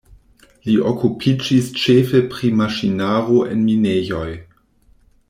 Li okupiĝis ĉefe pri maŝinaro en minejoj.